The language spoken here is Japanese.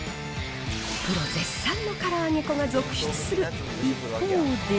プロ絶賛のから揚げ粉が続出する一方で。